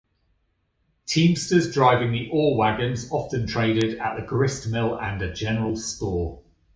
Teamsters driving the ore wagons often traded at the gristmill and a general store.